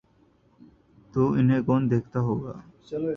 تو انہیں کون دیکھتا ہو گا؟